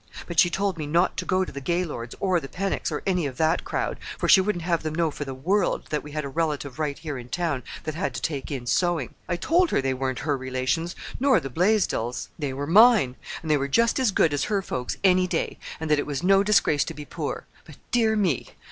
But she told me not to go to the Gaylords or the Pennocks, or any of that crowd, for she wouldn't have them know for the world that we had a relative right here in town that had to take in sewing. I told her they weren't her relations nor the Blaisdells'; they were mine, and they were just as good as her folks any day, and that it was no disgrace to be poor. But, dear me!